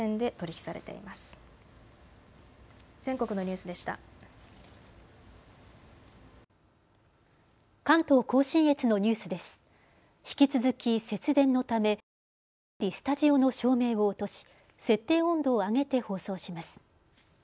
引き続き節電のため通常よりスタジオの照明を落とし設定温度を上げて放送します。